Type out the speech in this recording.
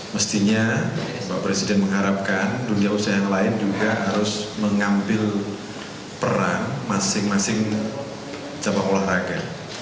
mestinya pak presiden mengharapkan dunia usaha yang lain juga harus mengambil peran masing masing cabang olahraga